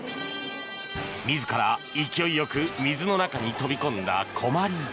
自ら勢いよく水の中に飛び込んだこまり。